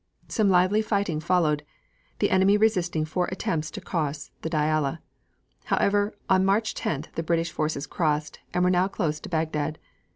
Some lively fighting followed, the enemy resisting four attempts to cross the Diala. However, on March 10th the British forces crossed, and were now close to Bagdad.